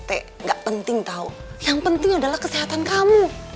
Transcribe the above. tapi gak penting tau yang penting adalah kesehatan kamu